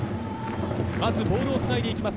ボールをつないでいきます。